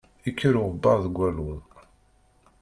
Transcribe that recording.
Ikker uɣebbar deg waluḍ.